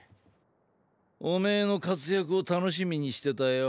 おめぇの活躍を楽しみにしてたよ。